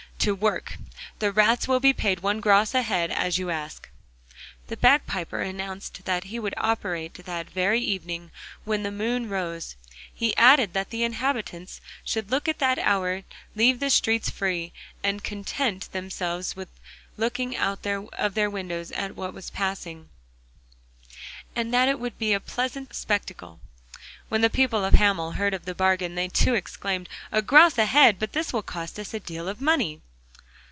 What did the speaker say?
To work; the rats will be paid one gros a head as you ask.' The bagpiper announced that he would operate that very evening when the moon rose. He added that the inhabitants should at that hour leave the streets free, and content themselves with looking out of their windows at what was passing, and that it would be a pleasant spectacle. When the people of Hamel heard of the bargain, they too exclaimed: 'A gros a head! but this will cost us a deal of money!